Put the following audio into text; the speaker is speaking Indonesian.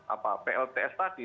apa plts tadi